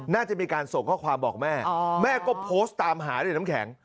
น่าจะมีการส่งข้อความบอกแม่แม่ก็โพสต์ตามหาด้วยน้ำแข็ง